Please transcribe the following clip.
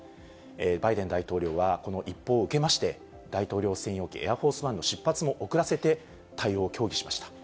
バイデン大統領はこの一報を受けまして、大統領専用機・エアフォースワンの出発も遅らせて、対応を協議しました。